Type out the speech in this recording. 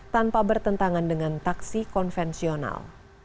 tanpa bertentangan dengan taksi konvensional